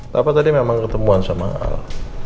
tapi tadi memang ketemuan sama al